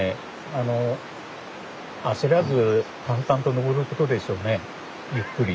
あの焦らず淡々と登ることでしょうねゆっくり。